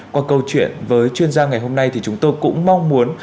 qua câu chuyện với chuyên gia ngày hôm nay thì chúng tôi cũng mong muốn